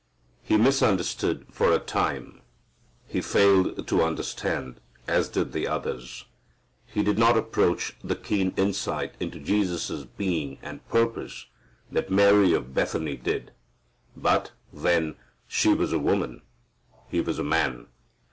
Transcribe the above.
He misunderstood for a time. He failed to understand, as did the others. He did not approach the keen insight into Jesus' being and purpose that Mary of Bethany did. But, then, she was a woman. He was a man.